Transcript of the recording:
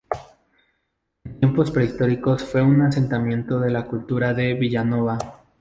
En tiempos prehistóricos fue un asentamiento de la Cultura de Villanova.